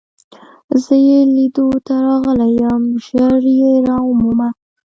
زه يې لیدو ته راغلی یم، ژر يې را ومومه.